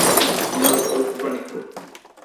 নাও, অল্প পানি খাও।